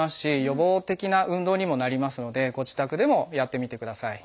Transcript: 予防的な運動にもなりますのでご自宅でもやってみてください。